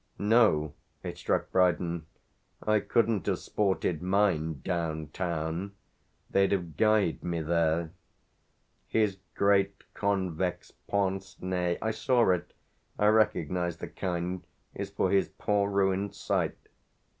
"No" it struck Brydon; "I couldn't have sported mine 'down town.' They'd have guyed me there." "His great convex pince nez I saw it, I recognised the kind is for his poor ruined sight.